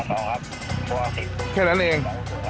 ครับแฟนเราทำเอง